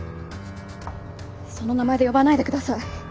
その名前で呼ばないでください！